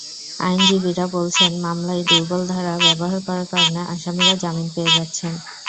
আইনজীবীরা বলছেন, মামলায় দুর্বল ধারা ব্যবহার করার কারণে আসামিরা জামিন পেয়ে যাচ্ছেন।